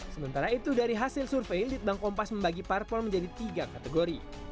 sementara itu dari hasil survei litbang kompas membagi parpol menjadi tiga kategori